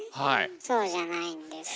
そうじゃないんですよ。